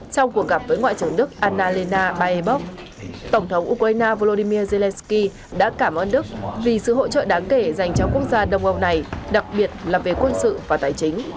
trong cuộc gặp với ngoại trưởng đức annalena bahebok tổng thống ukraine volodymyr zelensky đã cảm ơn đức vì sự hỗ trợ đáng kể dành cho quốc gia đông âu này đặc biệt là về quân sự và tài chính